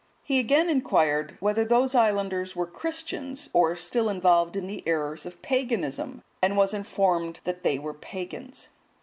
He again inquired whether those islanders were Christians, or still involved in the errors of paganism, and was informed that they were pagans.